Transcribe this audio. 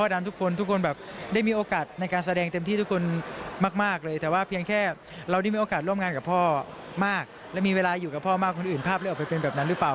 อยู่กับพ่อมากคนอื่นภาพเลี่ยวออกไปเป็นแบบนั้นหรือเปล่า